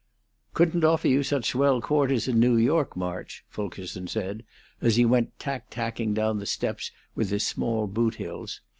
"Couldn't offer you such swell quarters in New York, March," Fulkerson said, as he went tack tacking down the steps with his small boot heels.